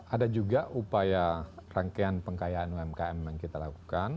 ada juga upaya rangkaian pengkayaan umkm yang kita lakukan